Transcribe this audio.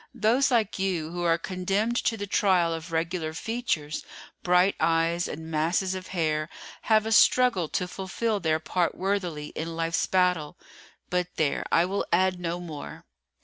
"Those like you who are condemned to the trial of regular features, bright eyes, and masses of hair, have a struggle to fulfil their part worthily in life's battle. But there, I will add no more."